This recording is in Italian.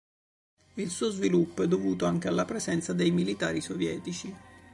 Il suo sviluppo è dovuto anche alla presenza dei militari sovietici.